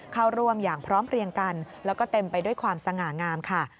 เข้าร่วมอย่างพร้อมเพลียงกันแล้วก็เต็มไปด้วยความสง่างามค่ะ